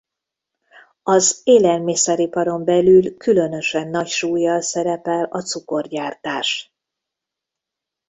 Az élelmiszeriparon belül különösen nagy súllyal szerepel a cukorgyártás.